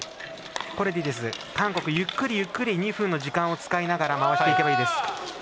韓国、ゆっくりゆっくり時間を使いながら回していけばいいです。